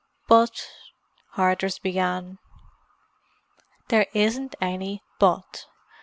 "But——" Hardress began. "There isn't any 'but.